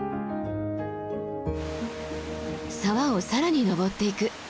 沢を更に登っていく。